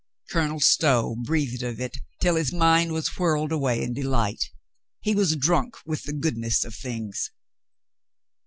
Colonel Stow breathed of it till his mind was whirled away in delight. He was drunk with the goodness of things.